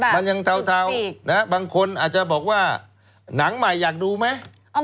มันยังเทาบางคนอาจจะบอกว่าหนังใหม่อยากดูไหม